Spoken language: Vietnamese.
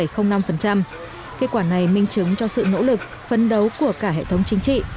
kết quả này minh chứng cho sự nỗ lực phấn đấu của cả hệ thống chính trị